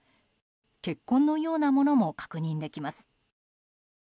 血痕のようなものも確認できます。